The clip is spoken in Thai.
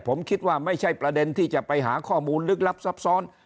ผมคิดว่าไม่ใช่ประเด็นที่จะไปหาข้อมูลลึกลับซับซ้อน